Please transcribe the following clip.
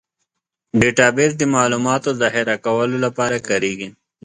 ډیټابیس د معلوماتو ذخیره کولو لپاره کارېږي.